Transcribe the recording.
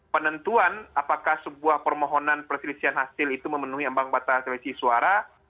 penentuan apakah sebuah permohonan perselisihan hasil itu memenuhi ambang batas selisih suara